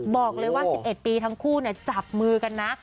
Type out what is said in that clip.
บอกเลยว่า๑๑ปีทั้งคู่จับมือกันนะ